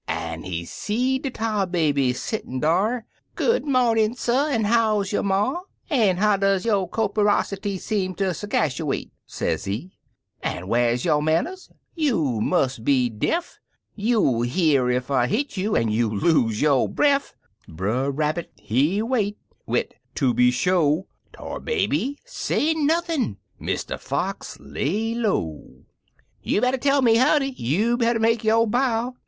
An' he seed de Tar Baby settin' dar; " Good mornin", suh, an' how's yo' Ma? An* how does yo' copperositee Seem ter segashuate ?" sezee ; "An' whar yo' manners ? You mus' be deffi You'll hear ef I hit you, an' you'll lose yo' breff!" Brer Rabbit, he wait, wid "Toobysho!" Tar Baby say nothin' — Mr. Fox lay lowl "You better tell me howdy! you better make yo" bow!